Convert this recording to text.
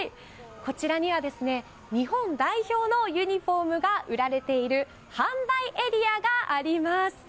こちらには日本代表のユニホームが売られている販売エリアがあります。